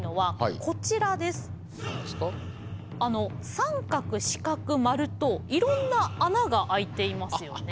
三角四角丸といろんな穴が開いていますよね？